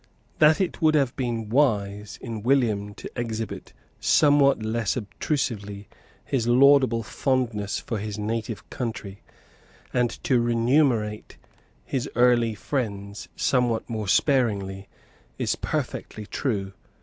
That it would have been wise in William to exhibit somewhat less obtrusively his laudable fondness for his native country, and to remunerate his early friends somewhat more sparingly, is perfectly true.